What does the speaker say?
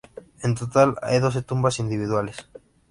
En total, hay doce tumbas individuales.